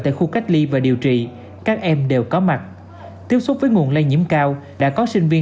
tại khu cách ly và điều trị các em đều có mặt tiếp xúc với nguồn lây nhiễm cao đã có sinh viên